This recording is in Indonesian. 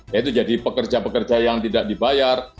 yaitu jadi pekerja pekerja yang tidak dibayar